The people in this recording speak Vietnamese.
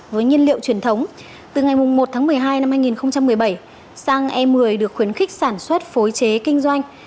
với nhiên liệu truyền thống từ ngày một một mươi hai hai nghìn một mươi bảy xăng e một mươi được khuyến khích sản xuất phối chế kinh doanh